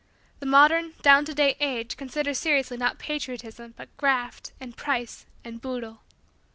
The modern, down to date, age considers seriously not patriotism but "graft" and "price" and "boodle."